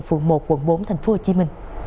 phường một quận bốn tp hcm